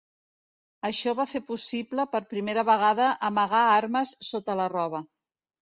Això va fer possible per primera vegada amagar armes sota la roba.